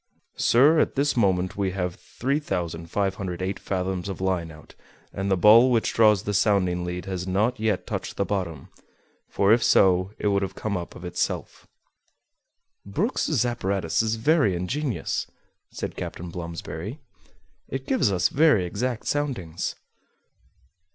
"Sir, at this moment we have 3,508 fathoms of line out, and the ball which draws the sounding lead has not yet touched the bottom; for if so, it would have come up of itself." "Brook's apparatus is very ingenious," said Captain Blomsberry; "it gives us very exact soundings."